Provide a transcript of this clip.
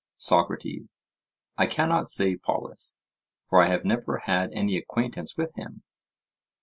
SOCRATES: I cannot say, Polus, for I have never had any acquaintance with him.